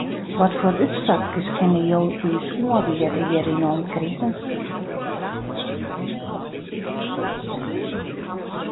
Watfoar útstapkes kinne jo ús oanriede hjir yn 'e omkriten?